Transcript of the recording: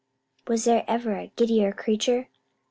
Was there ever a giddier creature?